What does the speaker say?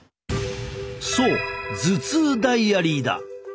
そう頭痛ダイアリーだ。